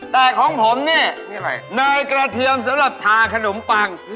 แต่ของผมเนี่ยเนยกระเทียมสำหรับทาขนมปัง